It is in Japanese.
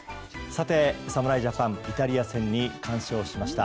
侍ジャパン、イタリア戦に快勝しました。